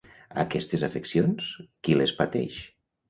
Aquestes afeccions, qui les pateix?